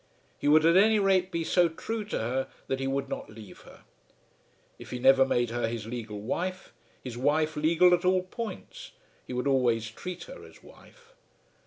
He would at any rate be so true to her that he would not leave her. If he never made her his legal wife, his wife legal at all points, he would always treat her as wife.